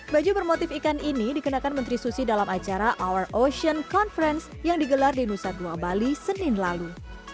baju bermotif ikan ini dikenakan menteri susi dalam acara our ocean conference yang digelar di nusa dua bali senin lalu